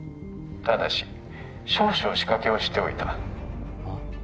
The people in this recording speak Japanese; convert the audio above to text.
ただし少々仕掛けをしておいたあっ？